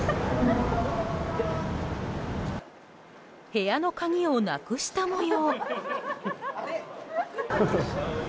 部屋の鍵をなくした模様。